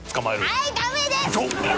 はいダメです！